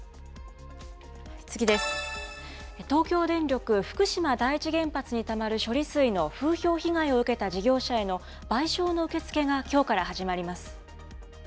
東京電力福島第一原発にたまる処理水の風評被害を受けた事業者への賠償の受け付けがきょうから始まります。